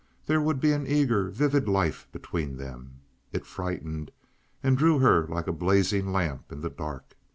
There would be an eager, vivid life between them. It frightened and drew her like a blazing lamp in the dark.